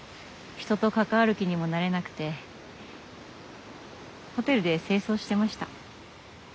人と関わる気にもなれなくてホテルで清掃してました。